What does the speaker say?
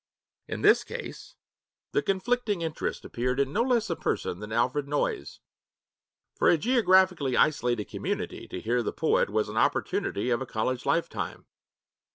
In this case the conflicting interest appeared in no less a person than Alfred Noyes. For a geographically isolated community to hear the poet was an opportunity of a college lifetime.